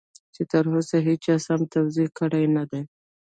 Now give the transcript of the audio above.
چې تر اوسه هېچا سم توضيح کړی نه دی.